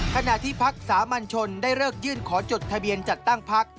ขณะที่พักสามัญชนได้เลิกยื่นขอจดทะเบียนจัดตั้งพัก